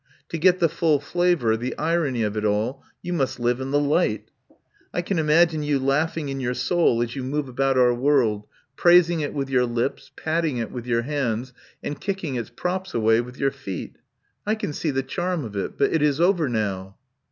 To get the full flavour, the irony of it all, you must live in the light. I can imagine you laughing in your soul as you move about our 194 THE POWER HOUSE world, praising it with your lips, patting it with your hands, and kicking its props away with your feet. I can see the chami of it. But it is over now."